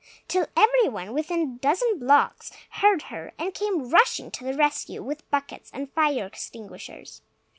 till everyone within a dozen blocks heard her, and came rushing to the rescue with buckets and fire extinguishers.